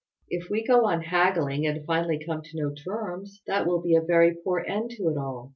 If we go on haggling and finally come to no terms, that will be a very poor end to it all."